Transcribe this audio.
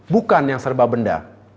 bukan yang serba benda